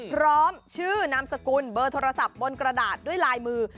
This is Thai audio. พร้อมชื่อนามสกุลเบอร์โทรศัพท์บนกระดาษด้วยลายมือ